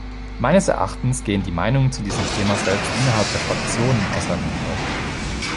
Meines Erachtens gehen die Meinungen zu diesem Thema selbst innerhalb der Fraktionen auseinander.